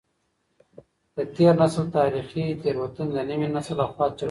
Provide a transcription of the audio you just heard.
د تېر نسل تاريخي تېروتني د نوي نسل لخوا څېړل کېږي.